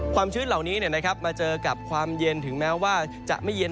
ชื้นเหล่านี้มาเจอกับความเย็นถึงแม้ว่าจะไม่เย็น